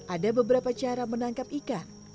ada beberapa cara menangkap ikan